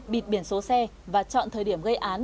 bịt biển số xe và chọn thời điểm gây án